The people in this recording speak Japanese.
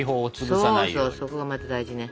そうそうそこがまず大事ね。